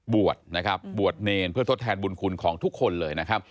บวชนะครับบวชเนรเพื่อทดแทนบุญคุณของทุกคนเลยนะครับ